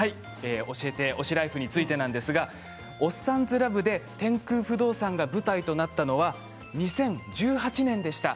教えて推しライフ」についてですが「おっさんずラブ」で天空不動産が舞台となったのは２０１８年でした。